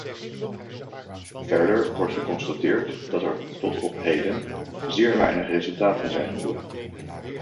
Verder wordt geconstateerd dat er tot op heden zeer weinig resultaten zijn geboekt.